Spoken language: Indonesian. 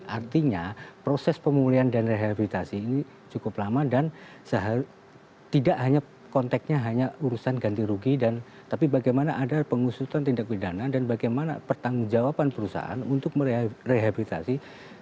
artinya proses pemulihan dan rehabilitasi ini cukup lama dan tidak hanya konteknya hanya urusan ganti rugi tapi bagaimana ada pengusutan tindak pidana dan bagaimana pertanggung jawaban perusahaan untuk merehabilitasi